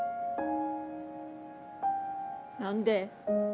何で？